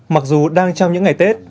mặc dù đang trong những ngày tết